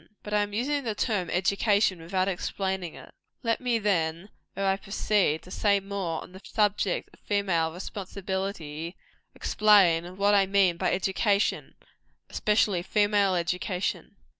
But I am using the term education without explaining it. Let me, then, ere I proceed to say more on the subject of female responsibility, explain what I mean by education, especially female education.